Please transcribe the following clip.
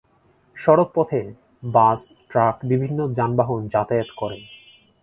সড়ক পথে bus, truck বিভিন্ন যানবাহন যাতায়াত করে।